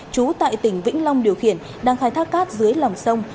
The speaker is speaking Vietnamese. trú tại tỉnh vĩnh long điều khiển đang khai thác cát dưới lòng sông